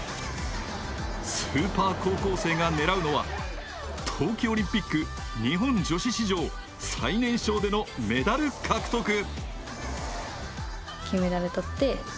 スーパー高校生が狙うのは冬季オリンピック女子史上最年少でのメダル獲得。